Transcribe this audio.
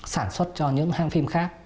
sản xuất cho những hàng phim khác